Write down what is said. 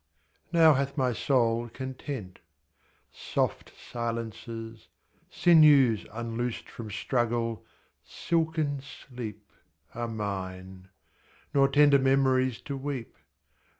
Now hath my soul content. Soft silences, Sinews unloosed from struggle, silken sleep, 27 Are mine; nor tender memories to weep.